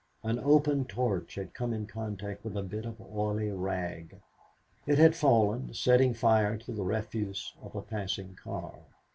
An open torch had come in contact with a bit of oily rag. It had fallen, setting fire to the refuse on a passing car.